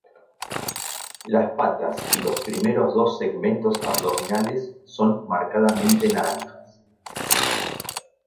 Las patas y los primeros dos segmentos abdominales son marcadamente naranjas.